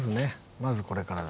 まずこれからだ。